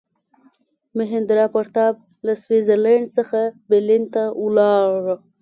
میهندراپراتاپ له سویس زرلینډ څخه برلین ته ولاړ.